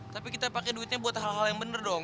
tapi kita pakai duitnya buat hal hal yang bener dong